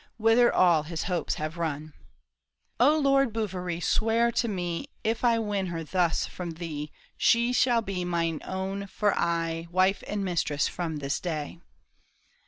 Whither all his hopes have run. '' O Lord Bouverie, swear to me. If I win her thus from thee. She shall be mine own for aye, Wife and mistress from this day."